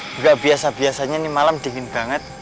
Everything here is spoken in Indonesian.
enggak biasa biasanya malam dingin banget